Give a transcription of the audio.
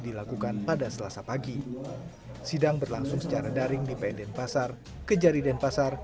dilakukan pada selasa pagi sidang berlangsung secara daring di pn denpasar kejari denpasar